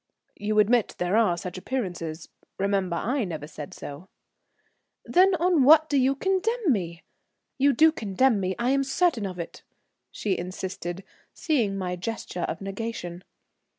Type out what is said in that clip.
"You admit there are such appearances? Remember, I never said so." "Then on what do you condemn me? You do condemn me, I am certain of it," she insisted, seeing my gesture of negation.